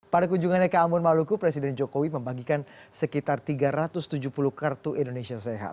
pada kunjungannya ke amun maluku presiden jokowi membagikan sekitar tiga ratus tujuh puluh kartu indonesia sehat